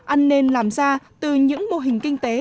ăn nên làm ra từ những mô hình kinh tế